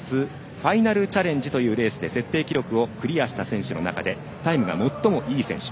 ファイナルチャレンジというレースで設定記録をクリアした選手の中でタイムが最もいい選手。